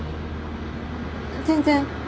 全然。